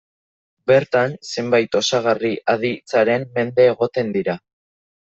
Bertan, zenbait osagarri aditzaren mende egoten dira.